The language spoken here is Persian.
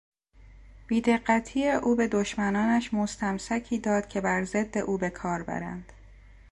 بیدقتی او به دشمنانش مستمسکی داد که بر ضد او به کار برند.